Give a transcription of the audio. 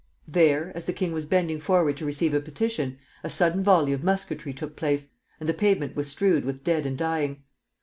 There, as the king was bending forward to receive a petition, a sudden volley of musketry took place, and the pavement was strewed with dead and dying.